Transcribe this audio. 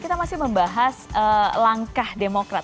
kita masih membahas langkah demokrat